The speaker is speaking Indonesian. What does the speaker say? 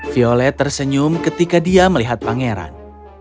violet tersenyum ketika dia melihat pangeran